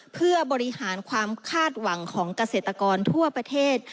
เพื่อบริหารความคาดหวังของเกษตรกรทั่วประเทศ